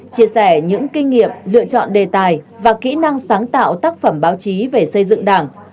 chia sẻ những kinh nghiệm lựa chọn đề tài và kỹ năng sáng tạo tác phẩm báo chí về xây dựng đảng